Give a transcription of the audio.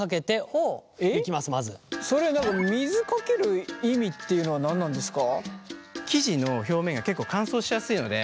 それ何か水かける意味っていうのは何なんですか？